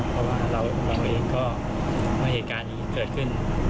เพราะว่าเราเองก็ว่าเหตุการณ์นี้เกิดขึ้น